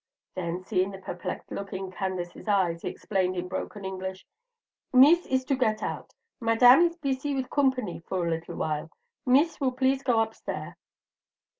Then, seeing the perplexed look in Candace's eyes, he explained in broken English: "Mees is to get out. Madame is beesy with coompany for little while. Mees will please go up stair."